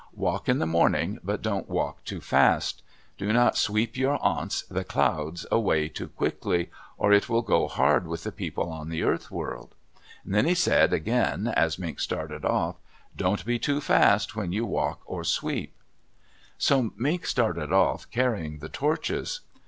Walk in the morning, but don't walk too fast. Do not sweep your aunts, the clouds, away too quickly, or it will go hard with the people in the Earth World." Then he said again, as Mink started off, "Don't be too fast when you walk or sweep." So Mink started off, carrying the torches.